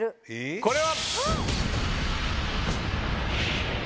これは。